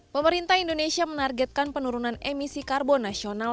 pemerintah indonesia menargetkan penurunan emisi karbon nasional